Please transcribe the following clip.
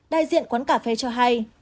đại diện quán cà phê cho hay